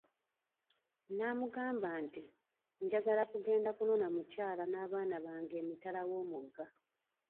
N'amugamba nti, njagala kugenda kunona mukyala n'abaana bange emitala wo'mugga .